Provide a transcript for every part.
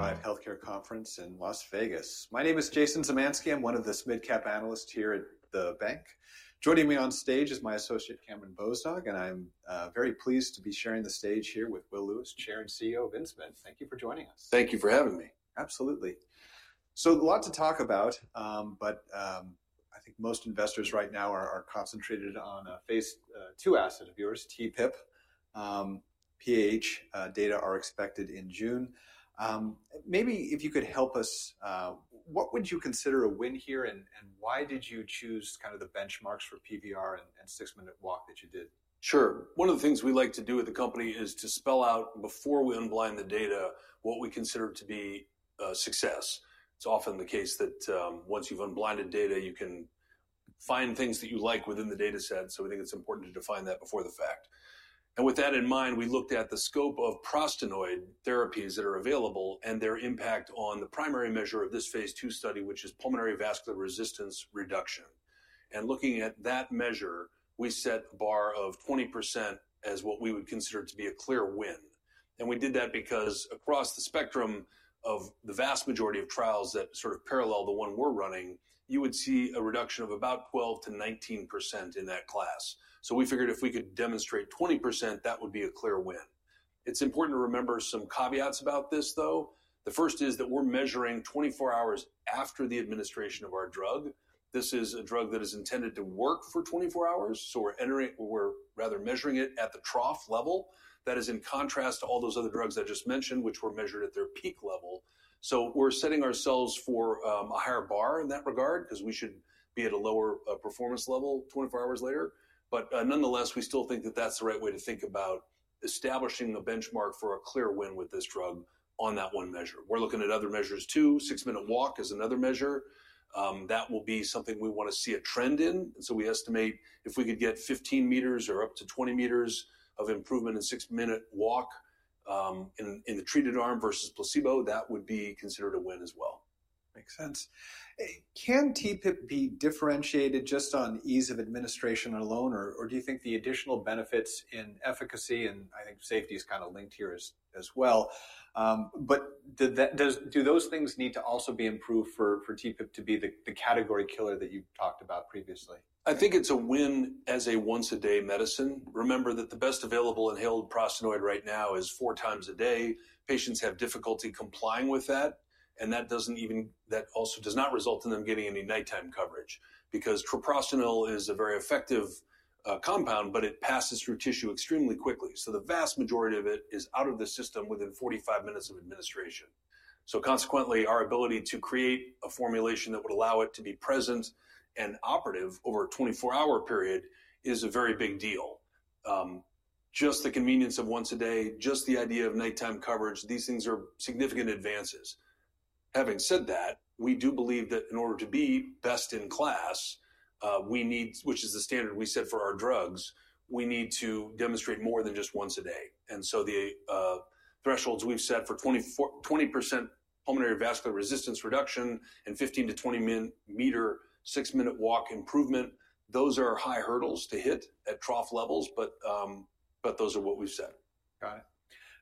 Live Healthcare Conference in Las Vegas. My name is Jason Zamanski. I'm one of the mid-cap analysts here at the bank. Joining me on stage is my associate, Cameron Bosog, and I'm very pleased to be sharing the stage here with Will Lewis. Chair and CEO of Insmed. Thank you for joining us. Thank you for having me. Absolutely. A lot to talk about, but I think most investors right now are concentrated on a phase two asset of yours, TPIP. PAH data are expected in June. Maybe if you could help us, what would you consider a win here and why did you choose kind of the benchmarks for PVR and Six Minute Walk that you did? Sure. One of the things we like to do at the company is to spell out, before we unblind the data, what we consider to be success. It's often the case that once you've unblinded data, you can find things that you like within the data set. We think it's important to define that before the fact. With that in mind, we looked at the scope of prostaglandin therapies that are available and their impact on the primary measure of this phase two study, which is pulmonary vascular resistance reduction. Looking at that measure, we set a bar of 20% as what we would consider to be a clear win. We did that because across the spectrum of the vast majority of trials that sort of parallel the one we're running, you would see a reduction of about 12-19% in that class. We figured if we could demonstrate 20%, that would be a clear win. It's important to remember some caveats about this, though. The first is that we're measuring 24 hours after the administration of our drug. This is a drug that is intended to work for 24 hours. We're rather measuring it at the trough level. That is in contrast to all those other drugs I just mentioned, which were measured at their peak level. We're setting ourselves for a higher bar in that regard because we should be at a lower performance level 24 hours later. Nonetheless, we still think that that's the right way to think about establishing the benchmark for a clear win with this drug on that one measure. We're looking at other measures too. Six Minute Walk is another measure. That will be something we want to see a trend in. We estimate if we could get 15 meters or up to 20 meters of improvement in Six Minute Walk in the treated arm versus placebo, that would be considered a win as well. Makes sense. Can TPIP be differentiated just on ease of administration alone, or do you think the additional benefits in efficacy and I think safety is kind of linked here as well? Do those things need to also be improved for TPIP to be the category killer that you talked about previously? I think it's a win as a once-a-day medicine. Remember that the best available inhaled prostaglandin right now is four times a day. Patients have difficulty complying with that. That also does not result in them getting any nighttime coverage because treprostinil is a very effective compound, but it passes through tissue extremely quickly. The vast majority of it is out of the system within 45 minutes of administration. Consequently, our ability to create a formulation that would allow it to be present and operative over a 24-hour period is a very big deal. Just the convenience of once a day, just the idea of nighttime coverage, these things are significant advances. Having said that, we do believe that in order to be best in class, which is the standard we set for our drugs, we need to demonstrate more than just once a day. The thresholds we've set for 20% pulmonary vascular resistance reduction and 15-20 meter Six Minute Walk improvement, those are high hurdles to hit at trough levels, but those are what we've set. Got it.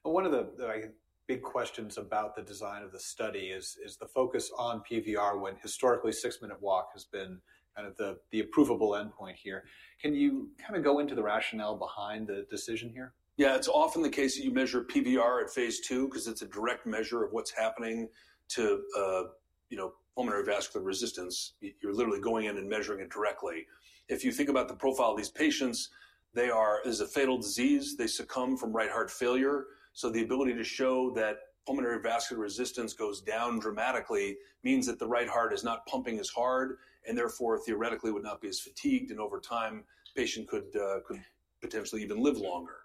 One of the big questions about the design of the study is the focus on PVR when historically Six Minute Walk has been kind of the approvable endpoint here. Can you kind of go into the rationale behind the decision here? Yeah, it's often the case that you measure PVR at phase two because it's a direct measure of what's happening to pulmonary vascular resistance. You're literally going in and measuring it directly. If you think about the profile of these patients, they are a fatal disease. They succumb from right heart failure. The ability to show that pulmonary vascular resistance goes down dramatically means that the right heart is not pumping as hard and therefore theoretically would not be as fatigued. Over time, the patient could potentially even live longer.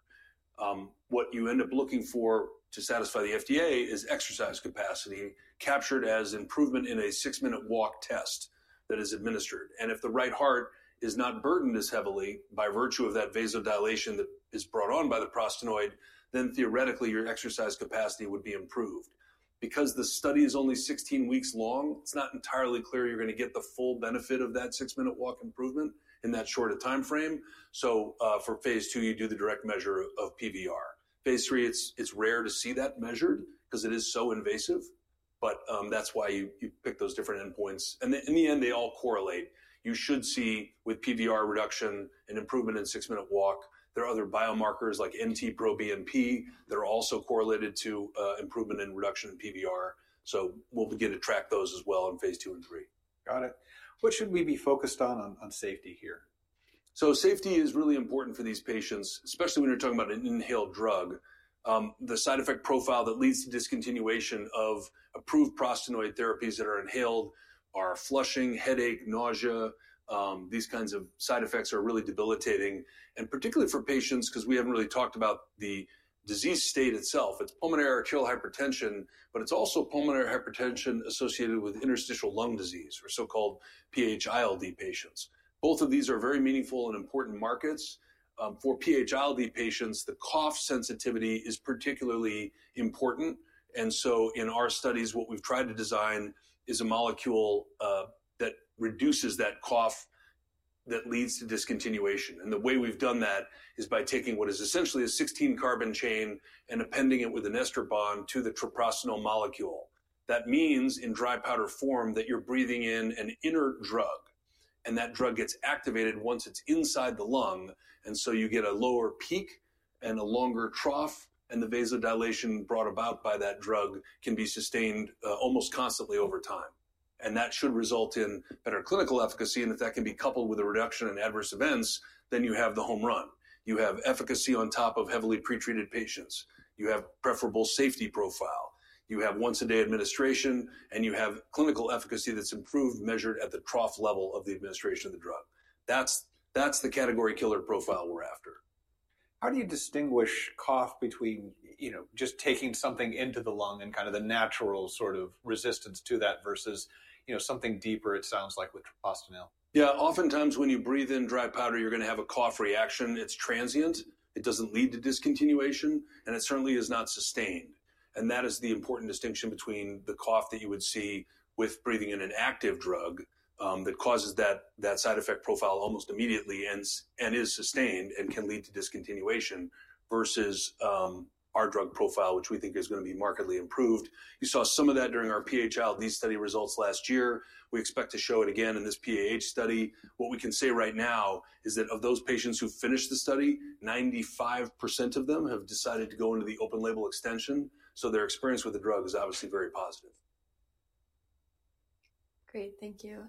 What you end up looking for to satisfy the FDA is exercise capacity captured as improvement in a Six Minute Walk Test that is administered. If the right heart is not burdened as heavily by virtue of that vasodilation that is brought on by the prostaglandin, then theoretically your exercise capacity would be improved. Because the study is only 16 weeks long, it's not entirely clear you're going to get the full benefit of that Six Minute Walk improvement in that short timeframe. For phase two, you do the direct measure of PVR. In phase three, it's rare to see that measured because it is so invasive. That's why you pick those different endpoints. In the end, they all correlate. You should see with PVR reduction and improvement in Six Minute Walk, there are other biomarkers like NT-proBNP that are also correlated to improvement in reduction in PVR. We'll begin to track those as well in phase two and three. Got it. What should we be focused on on safety here? Safety is really important for these patients, especially when you're talking about an inhaled drug. The side effect profile that leads to discontinuation of approved prostaglandin therapies that are inhaled are flushing, headache, nausea. These kinds of side effects are really debilitating. Particularly for patients, because we haven't really talked about the disease state itself, it's pulmonary arterial hypertension, but it's also pulmonary hypertension associated with interstitial lung disease or so-called PAH ILD patients. Both of these are very meaningful and important markets. For PAH ILD patients, the cough sensitivity is particularly important. In our studies, what we've tried to design is a molecule that reduces that cough that leads to discontinuation. The way we've done that is by taking what is essentially a 16-carbon chain and appending it with an ester bond to the propranolol molecule. That means in dry powder form that you're breathing in an inner drug. That drug gets activated once it's inside the lung. You get a lower peak and a longer trough. The vasodilation brought about by that drug can be sustained almost constantly over time. That should result in better clinical efficacy. If that can be coupled with a reduction in adverse events, then you have the home run. You have efficacy on top of heavily pretreated patients. You have a preferable safety profile. You have once-a-day administration. You have clinical efficacy that's improved, measured at the trough level of the administration of the drug. That's the category killer profile we're after. How do you distinguish cough between just taking something into the lung and kind of the natural sort of resistance to that versus something deeper, it sounds like, with prostaglandin? Yeah, oftentimes when you breathe in dry powder, you're going to have a cough reaction. It's transient. It doesn't lead to discontinuation. It certainly is not sustained. That is the important distinction between the cough that you would see with breathing in an active drug that causes that side effect profile almost immediately and is sustained and can lead to discontinuation versus our drug profile, which we think is going to be markedly improved. You saw some of that during our PAH ILD study results last year. We expect to show it again in this PAH study. What we can say right now is that of those patients who finished the study, 95% of them have decided to go into the open label extension. Their experience with the drug is obviously very positive. Great. Thank you.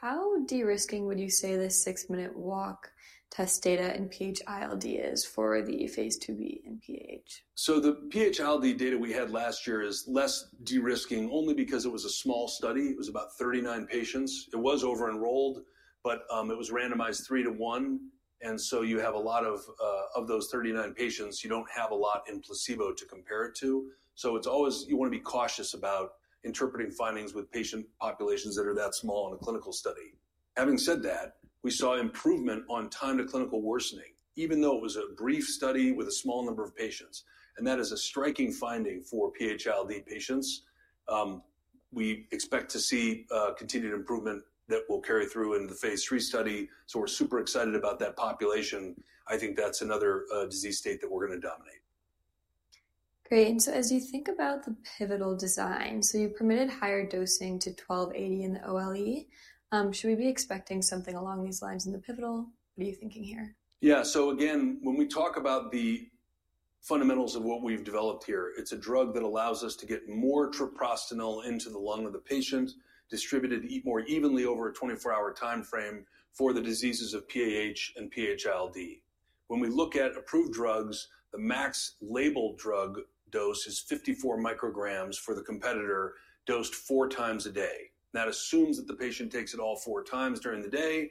How de-risking would you say the Six Minute Walk Test data in PAH ILD is for the phase 2b in PAH? The PAH ILD data we had last year is less de-risking only because it was a small study. It was about 39 patients. It was over-enrolled, but it was randomized three to one. You have a lot of those 39 patients, you do not have a lot in placebo to compare it to. It is always you want to be cautious about interpreting findings with patient populations that are that small in a clinical study. Having said that, we saw improvement on time to clinical worsening, even though it was a brief study with a small number of patients. That is a striking finding for PAH ILD patients. We expect to see continued improvement that will carry through in the phase three study. We are super excited about that population. I think that is another disease state that we are going to dominate. Great. As you think about the pivotal design, you permitted higher dosing to 1280 in the OLE. Should we be expecting something along these lines in the pivotal? What are you thinking here? Yeah. Again, when we talk about the fundamentals of what we've developed here, it's a drug that allows us to get more prostaglandin into the lung of the patient, distributed more evenly over a 24-hour timeframe for the diseases of PAH and PAH ILD. When we look at approved drugs, the max labeled drug dose is 54 micrograms for the competitor dosed four times a day. That assumes that the patient takes it all four times during the day.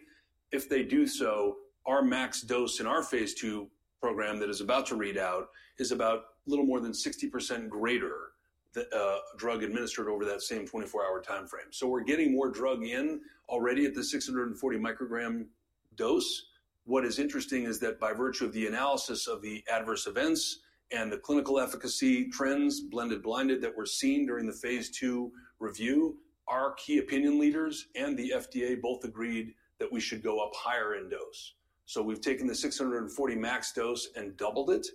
If they do so, our max dose in our phase two program that is about to read out is about a little more than 60% greater drug administered over that same 24-hour timeframe. We're getting more drug in already at the 640 microgram dose. What is interesting is that by virtue of the analysis of the adverse events and the clinical efficacy trends blended blinded that were seen during the phase two review, our key opinion leaders and the FDA both agreed that we should go up higher in dose. We have taken the 640 max dose and doubled it.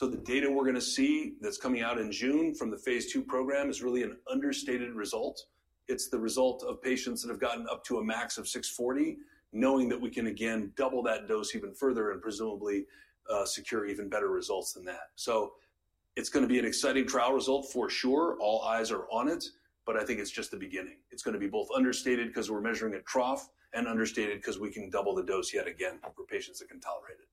The data we are going to see that is coming out in June from the phase two program is really an understated result. It is the result of patients that have gotten up to a max of 640, knowing that we can again double that dose even further and presumably secure even better results than that. It is going to be an exciting trial result for sure. All eyes are on it. I think it is just the beginning. It's going to be both understated because we're measuring a trough and understated because we can double the dose yet again for patients that can tolerate it.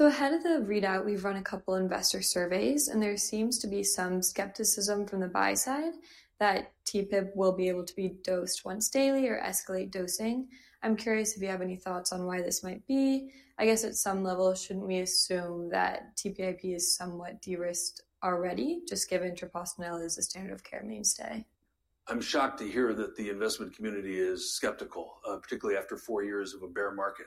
Ahead of the readout, we've run a couple of investor surveys, and there seems to be some skepticism from the buy side that TPIP will be able to be dosed once daily or escalate dosing. I'm curious if you have any thoughts on why this might be. I guess at some level, shouldn't we assume that TPIP is somewhat de-risked already, just given treprostinil is a standard of care mainstay? I'm shocked to hear that the investment community is skeptical, particularly after four years of a bear market.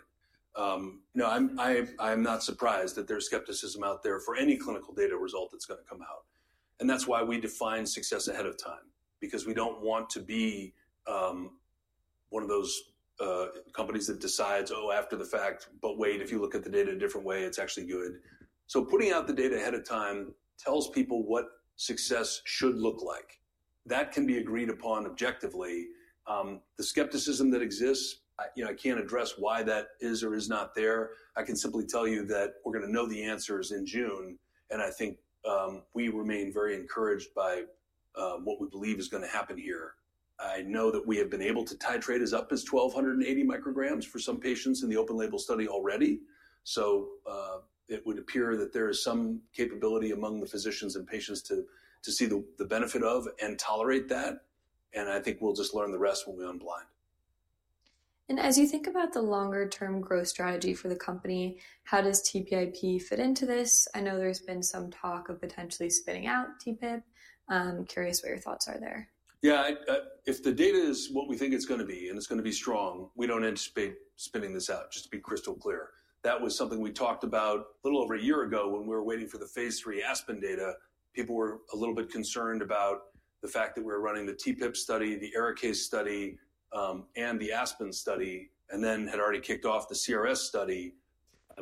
No, I'm not surprised that there's skepticism out there for any clinical data result that's going to come out. That's why we define success ahead of time, because we don't want to be one of those companies that decides, oh, after the fact, but wait, if you look at the data a different way, it's actually good. Putting out the data ahead of time tells people what success should look like. That can be agreed upon objectively. The skepticism that exists, I can't address why that is or is not there. I can simply tell you that we're going to know the answers in June. I think we remain very encouraged by what we believe is going to happen here. I know that we have been able to titrate as up as 1,280 micrograms for some patients in the open label study already. It would appear that there is some capability among the physicians and patients to see the benefit of and tolerate that. I think we'll just learn the rest when we unblind. As you think about the longer-term growth strategy for the company, how does TPIP fit into this? I know there has been some talk of potentially spinning out TPIP. Curious what your thoughts are there. Yeah, if the data is what we think it's going to be and it's going to be strong, we don't anticipate spinning this out, just to be crystal clear. That was something we talked about a little over a year ago when we were waiting for the phase three ASPEN data. People were a little bit concerned about the fact that we're running the TPIP study, the ARIKAYCE study, and the ASPEN study, and then had already kicked off the CRS study.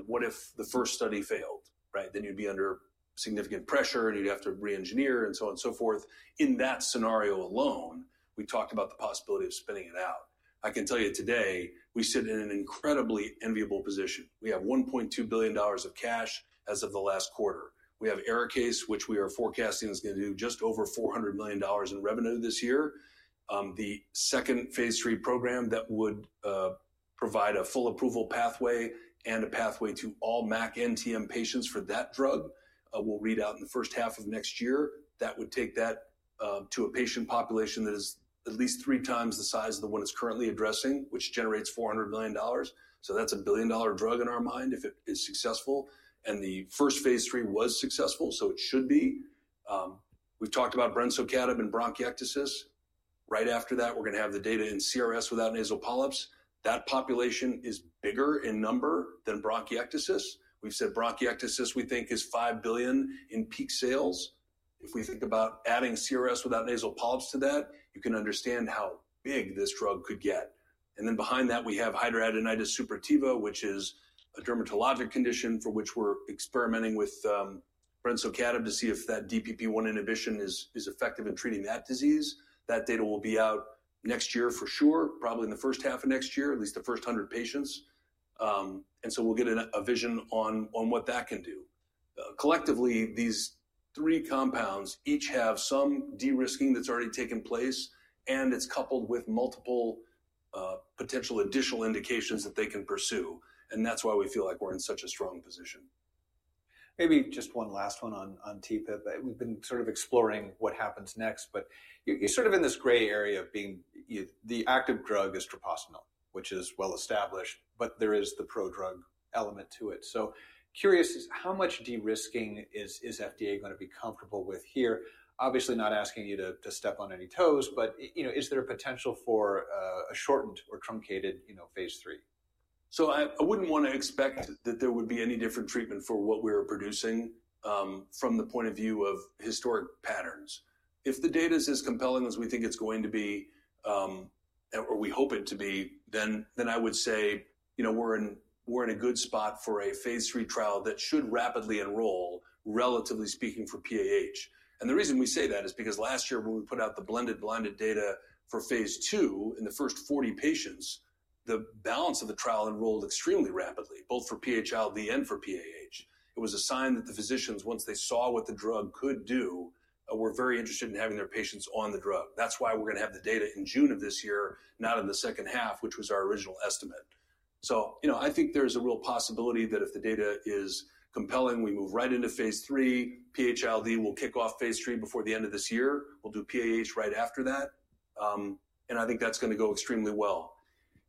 What if the first study failed? Right? Then you'd be under significant pressure and you'd have to re-engineer and so on and so forth. In that scenario alone, we talked about the possibility of spinning it out. I can tell you today, we sit in an incredibly enviable position. We have $1.2 billion of cash as of the last quarter. We have Arikayce, which we are forecasting is going to do just over $400 million in revenue this year. The second phase three program that would provide a full approval pathway and a pathway to all MAC NTM patients for that drug will read out in the first half of next year. That would take that to a patient population that is at least three times the size of the one it's currently addressing, which generates $400 million. That's a billion-dollar drug in our mind if it is successful. The first phase three was successful, so it should be. We've talked about Brensocatib and bronchiectasis. Right after that, we're going to have the data in CRS without nasal polyps. That population is bigger in number than bronchiectasis. We've said bronchiectasis we think is $5 billion in peak sales. If we think about adding CRS without nasal polyps to that, you can understand how big this drug could get. Then behind that, we have hidradenitis suppurativa, which is a dermatologic condition for which we're experimenting with brensocatib to see if that DPP-1 inhibition is effective in treating that disease. That data will be out next year for sure, probably in the first half of next year, at least the first 100 patients. We will get a vision on what that can do. Collectively, these three compounds each have some de-risking that's already taken place, and it's coupled with multiple potential additional indications that they can pursue. That is why we feel like we're in such a strong position. Maybe just one last one on TPIP. We've been sort of exploring what happens next, but you're sort of in this gray area of being the active drug is treprostinil, which is well established, but there is the pro-drug element to it. So, curious is how much de-risking is FDA going to be comfortable with here? Obviously, not asking you to step on any toes, but is there a potential for a shortened or truncated phase three? I wouldn't want to expect that there would be any different treatment for what we're producing from the point of view of historic patterns. If the data is as compelling as we think it's going to be, or we hope it to be, then I would say we're in a good spot for a phase three trial that should rapidly enroll, relatively speaking, for PAH. The reason we say that is because last year, when we put out the blended blinded data for phase two in the first 40 patients, the balance of the trial enrolled extremely rapidly, both for PAH ILD and for PAH. It was a sign that the physicians, once they saw what the drug could do, were very interested in having their patients on the drug. That's why we're going to have the data in June of this year, not in the second half, which was our original estimate. I think there's a real possibility that if the data is compelling, we move right into phase three. PAH ILD will kick off phase three before the end of this year. We'll do PAH right after that. I think that's going to go extremely well.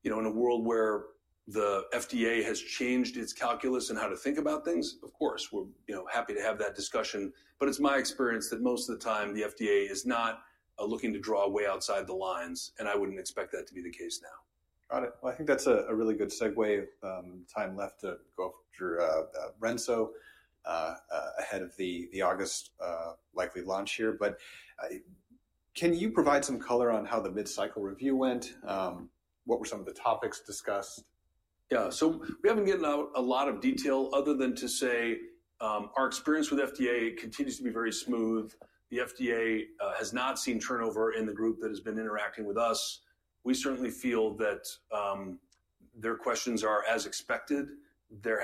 In a world where the FDA has changed its calculus and how to think about things, of course, we're happy to have that discussion. It's my experience that most of the time the FDA is not looking to draw way outside the lines. I wouldn't expect that to be the case now. Got it. I think that's a really good segue. Time left to go through Brensocatib ahead of the August likely launch here. Can you provide some color on how the mid-cycle review went? What were some of the topics discussed? Yeah. We haven't given out a lot of detail other than to say our experience with FDA continues to be very smooth. The FDA has not seen turnover in the group that has been interacting with us. We certainly feel that their questions are as expected. It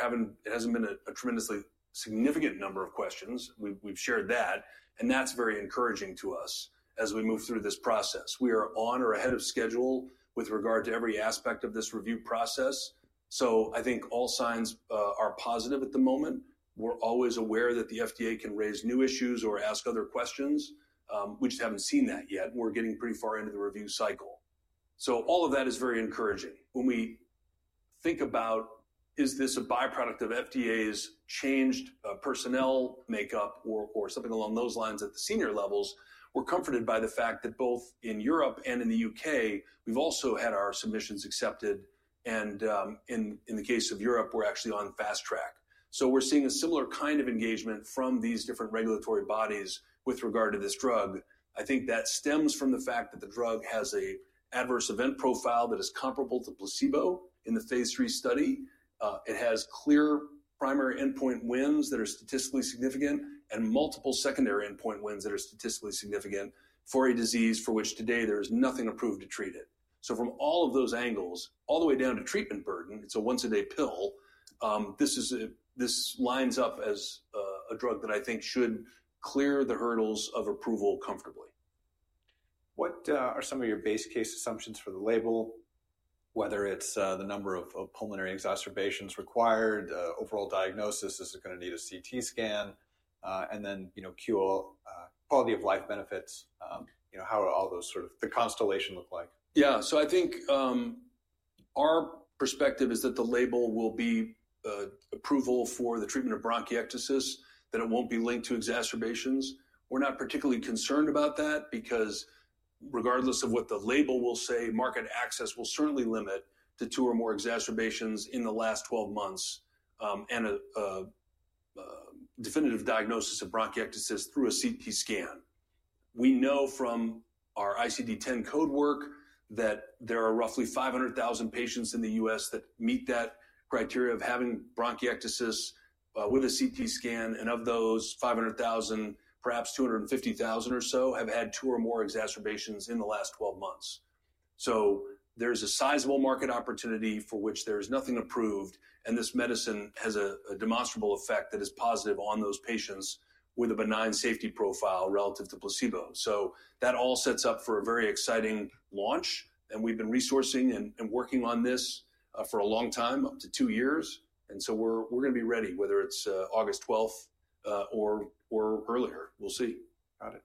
hasn't been a tremendously significant number of questions. We've shared that. That's very encouraging to us as we move through this process. We are on or ahead of schedule with regard to every aspect of this review process. I think all signs are positive at the moment. We're always aware that the FDA can raise new issues or ask other questions. We just haven't seen that yet. We're getting pretty far into the review cycle. All of that is very encouraging. When we think about, is this a byproduct of FDA's changed personnel makeup or something along those lines at the senior levels, we're comforted by the fact that both in Europe and in the U.K., we've also had our submissions accepted. In the case of Europe, we're actually on fast track. We're seeing a similar kind of engagement from these different regulatory bodies with regard to this drug. I think that stems from the fact that the drug has an adverse event profile that is comparable to placebo in the phase three study. It has clear primary endpoint wins that are statistically significant and multiple secondary endpoint wins that are statistically significant for a disease for which today there is nothing approved to treat it. From all of those angles, all the way down to treatment burden, it's a once-a-day pill. This lines up as a drug that I think should clear the hurdles of approval comfortably. What are some of your base case assumptions for the label, whether it's the number of pulmonary exacerbations required, overall diagnosis, is it going to need a CT scan, and then quality of life benefits? How do all those sort of the constellation look like? Yeah. So, I think our perspective is that the label will be approval for the treatment of bronchiectasis, that it won't be linked to exacerbations. We're not particularly concerned about that because regardless of what the label will say, market access will certainly limit to two or more exacerbations in the last 12 months and a definitive diagnosis of bronchiectasis through a CT scan. We know from our ICD-10 code work that there are roughly 500,000 patients in the U.S. that meet that criteria of having bronchiectasis with a CT scan. And of those 500,000, perhaps 250,000 or so have had two or more exacerbations in the last 12 months. So, there's a sizable market opportunity for which there is nothing approved. And this medicine has a demonstrable effect that is positive on those patients with a benign safety profile relative to placebo. That all sets up for a very exciting launch. We've been resourcing and working on this for a long time, up to two years. We're going to be ready, whether it's August 12th or earlier. We'll see. Got it.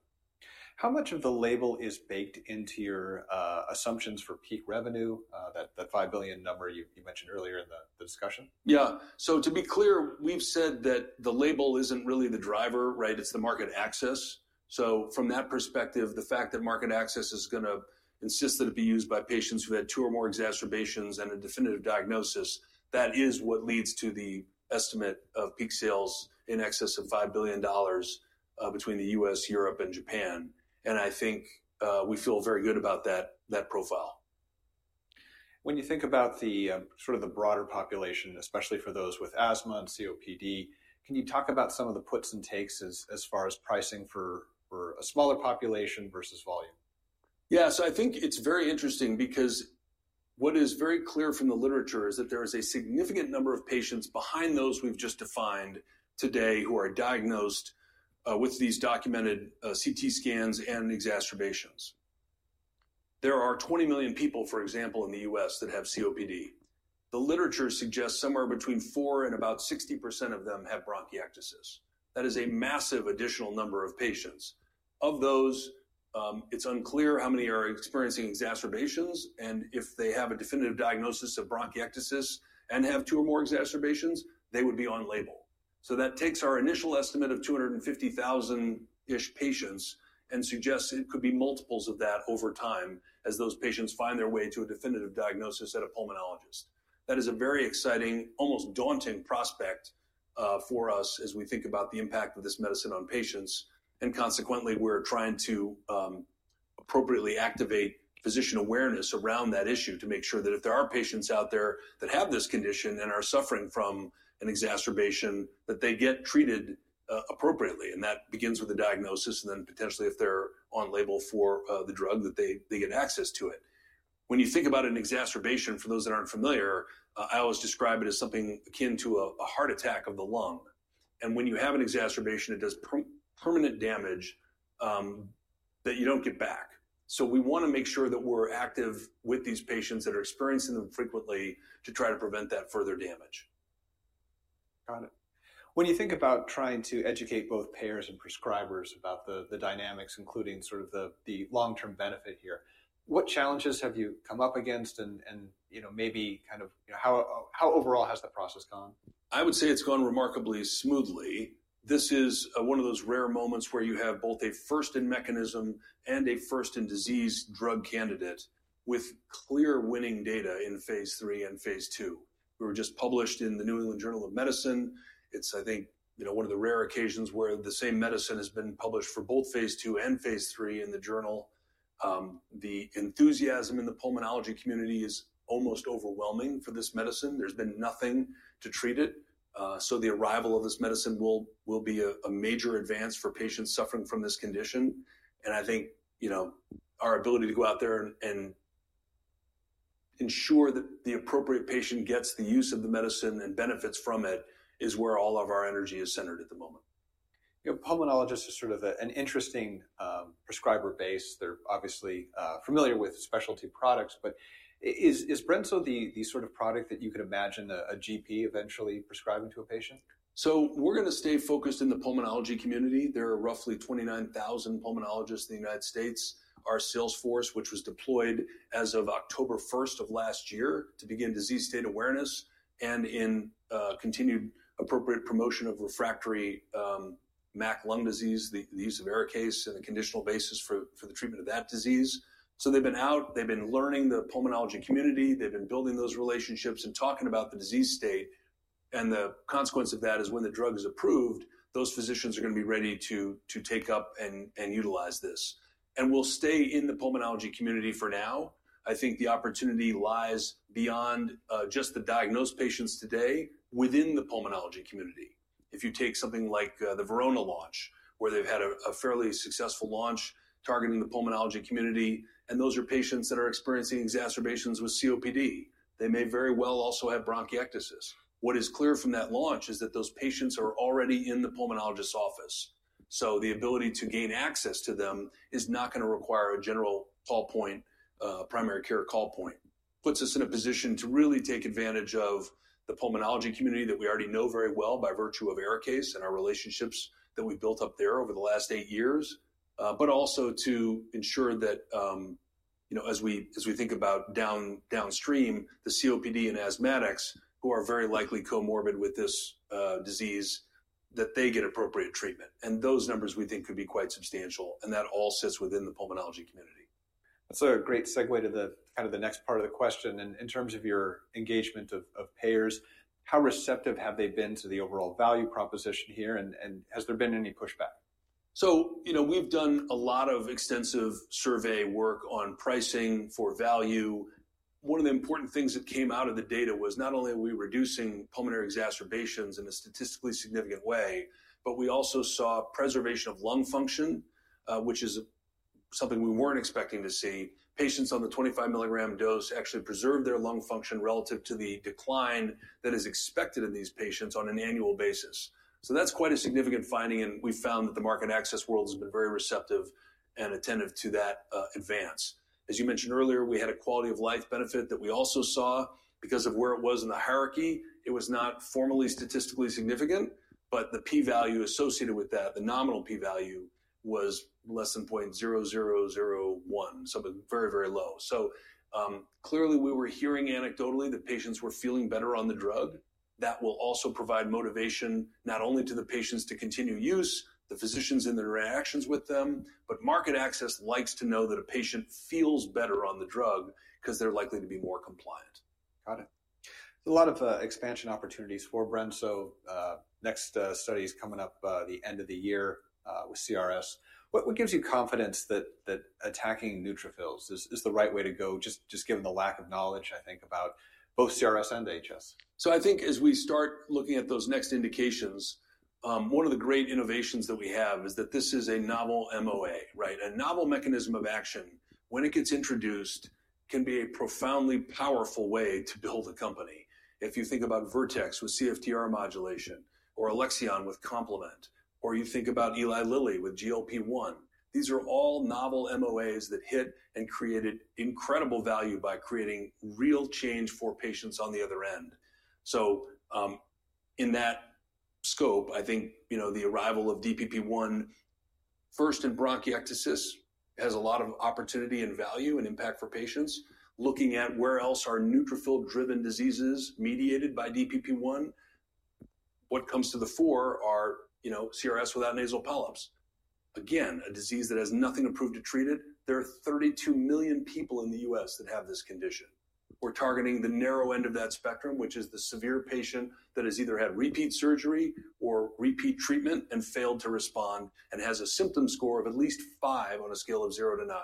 How much of the label is baked into your assumptions for peak revenue, that $5 billion number you mentioned earlier in the discussion? Yeah. To be clear, we've said that the label isn't really the driver, right? It's the market access. From that perspective, the fact that market access is going to insist that it be used by patients who had two or more exacerbations and a definitive diagnosis, that is what leads to the estimate of peak sales in excess of $5 billion between the U.S., Europe, and Japan. I think we feel very good about that profile. When you think about the sort of the broader population, especially for those with asthma and COPD, can you talk about some of the puts and takes as far as pricing for a smaller population versus volume? Yeah. I think it's very interesting because what is very clear from the literature is that there is a significant number of patients behind those we've just defined today who are diagnosed with these documented CT scans and exacerbations. There are 20 million people, for example, in the U.S that have COPD. The literature suggests somewhere between 4% and about 60% of them have bronchiectasis. That is a massive additional number of patients. Of those, it's unclear how many are experiencing exacerbations. If they have a definitive diagnosis of bronchiectasis and have two or more exacerbations, they would be on label. That takes our initial estimate of 250,000-ish patients and suggests it could be multiples of that over time as those patients find their way to a definitive diagnosis at a pulmonologist. That is a very exciting, almost daunting prospect for us as we think about the impact of this medicine on patients. Consequently, we're trying to appropriately activate physician awareness around that issue to make sure that if there are patients out there that have this condition and are suffering from an exacerbation, that they get treated appropriately. That begins with the diagnosis and then potentially if they're on label for the drug, that they get access to it. When you think about an exacerbation, for those that aren't familiar, I always describe it as something akin to a heart attack of the lung. When you have an exacerbation, it does permanent damage that you don't get back. We want to make sure that we're active with these patients that are experiencing them frequently to try to prevent that further damage. Got it. When you think about trying to educate both payers and prescribers about the dynamics, including sort of the long-term benefit here, what challenges have you come up against and maybe kind of how overall has the process gone? I would say it's gone remarkably smoothly. This is one of those rare moments where you have both a first-in mechanism and a first-in-disease drug candidate with clear winning data in phase three and phase two. We were just published in the New England Journal of Medicine. It's, I think, one of the rare occasions where the same medicine has been published for both phase two and phase three in the journal. The enthusiasm in the pulmonology community is almost overwhelming for this medicine. There's been nothing to treat it. The arrival of this medicine will be a major advance for patients suffering from this condition. I think our ability to go out there and ensure that the appropriate patient gets the use of the medicine and benefits from it is where all of our energy is centered at the moment. Pulmonologists are sort of an interesting prescriber base. They're obviously familiar with specialty products. Is Brensocatib the sort of product that you could imagine a GP eventually prescribing to a patient? We're going to stay focused in the pulmonology community. There are roughly 29,000 pulmonologists in the United States. Our Salesforce, which was deployed as of October 1 of last year to begin disease state awareness and in continued appropriate promotion of refractory MAC lung disease, the use of Arikayce and the conditional basis for the treatment of that disease. They've been out. They've been learning the pulmonology community. They've been building those relationships and talking about the disease state. The consequence of that is when the drug is approved, those physicians are going to be ready to take up and utilize this. We'll stay in the pulmonology community for now. I think the opportunity lies beyond just the diagnosed patients today within the pulmonology community. If you take something like the Verona launch, where they've had a fairly successful launch targeting the pulmonology community, and those are patients that are experiencing exacerbations with COPD, they may very well also have bronchiectasis. What is clear from that launch is that those patients are already in the pulmonologist's office. The ability to gain access to them is not going to require a general call point, primary care call point. It puts us in a position to really take advantage of the pulmonology community that we already know very well by virtue of Arikayce and our relationships that we've built up there over the last eight years, but also to ensure that as we think about downstream, the COPD and asthmatics who are very likely comorbid with this disease, that they get appropriate treatment. Those numbers we think could be quite substantial. That all sits within the pulmonology community. That's a great segue to the kind of the next part of the question. In terms of your engagement of payers, how receptive have they been to the overall value proposition here? Has there been any pushback? We've done a lot of extensive survey work on pricing for value. One of the important things that came out of the data was not only are we reducing pulmonary exacerbations in a statistically significant way, but we also saw preservation of lung function, which is something we weren't expecting to see. Patients on the 25 mg dose actually preserved their lung function relative to the decline that is expected in these patients on an annual basis. That's quite a significant finding. We found that the market access world has been very receptive and attentive to that advance. As you mentioned earlier, we had a quality of life benefit that we also saw. Because of where it was in the hierarchy, it was not formally statistically significant. The p-value associated with that, the nominal p-value, was less than 0.0001, something very, very low. Clearly, we were hearing anecdotally that patients were feeling better on the drug. That will also provide motivation not only to the patients to continue use, the physicians in their interactions with them, but market access likes to know that a patient feels better on the drug because they're likely to be more compliant. Got it. There's a lot of expansion opportunities for Brensocatib, next studies coming up the end of the year with CRS. What gives you confidence that attacking neutrophils is the right way to go, just given the lack of knowledge, I think, about both CRS and HS? I think as we start looking at those next indications, one of the great innovations that we have is that this is a novel MOA, right? A novel mechanism of action, when it gets introduced, can be a profoundly powerful way to build a company. If you think about Vertex with CFTR modulation or Alexion with complement, or you think about Eli Lilly with GLP-1, these are all novel MOAs that hit and created incredible value by creating real change for patients on the other end. In that scope, I think the arrival of DPP-1 first in bronchiectasis has a lot of opportunity and value and impact for patients. Looking at where else are neutrophil-driven diseases mediated by DPP-1, what comes to the fore are CRS without nasal polyps. Again, a disease that has nothing approved to treat it. There are 32 million people in the U.S. that have this condition. We're targeting the narrow end of that spectrum, which is the severe patient that has either had repeat surgery or repeat treatment and failed to respond and has a symptom score of at least 5 on a scale of 0 to 9.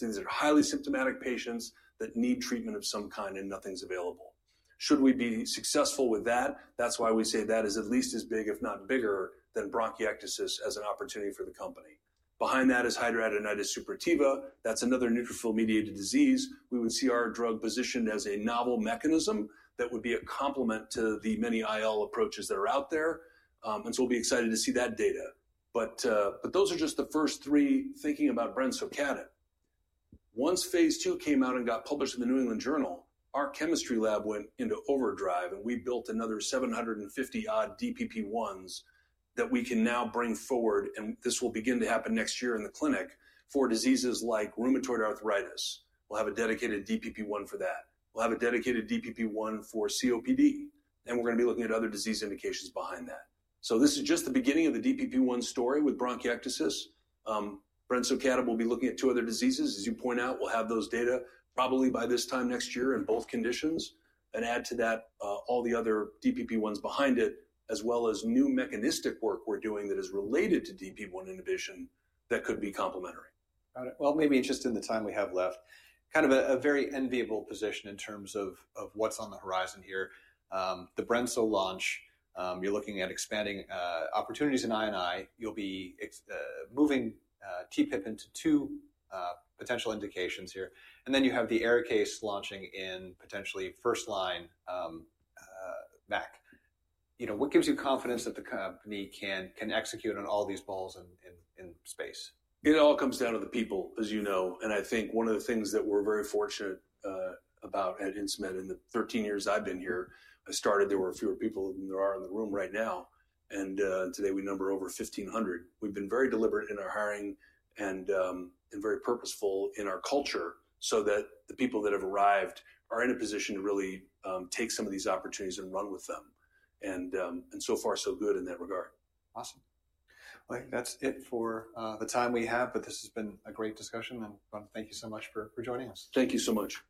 These are highly symptomatic patients that need treatment of some kind and nothing's available. Should we be successful with that? That's why we say that is at least as big, if not bigger, than bronchiectasis as an opportunity for the company. Behind that is hidradenitis suppurativa. That's another neutrophil-mediated disease. We would see our drug positioned as a novel mechanism that would be a complement to the many IL approaches that are out there. We'll be excited to see that data. Those are just the first three thinking about Brensocatib. Once phase two came out and got published in the New England Journal, our chemistry lab went into overdrive. We built another 750-odd DPP-1s that we can now bring forward. This will begin to happen next year in the clinic for diseases like rheumatoid arthritis. We'll have a dedicated DPP-1 for that. We'll have a dedicated DPP-1 for COPD. We're going to be looking at other disease indications behind that. This is just the beginning of the DPP-1 story with bronchiectasis. Brensocatib will be looking at two other diseases. As you point out, we'll have those data probably by this time next year in both conditions and add to that all the other DPP-1s behind it, as well as new mechanistic work we're doing that is related to DPP-1 inhibition that could be complementary. Got it. Maybe just in the time we have left, kind of a very enviable position in terms of what's on the horizon here. The Brensocatib launch, you're looking at expanding opportunities in INS1201. You'll be moving TPIP into two potential indications here. Then you have the Arikayce launching in potentially first-line MAC. What gives you confidence that the company can execute on all these balls in space? It all comes down to the people, as you know. I think one of the things that we're very fortunate about at Insmed in the 13 years I've been here, I started, there were fewer people than there are in the room right now. Today, we number over 1,500. We've been very deliberate in our hiring and very purposeful in our culture so that the people that have arrived are in a position to really take some of these opportunities and run with them. So far, so good in that regard. Awesome. That is it for the time we have. This has been a great discussion. I want to thank you so much for joining us. Thank you so much.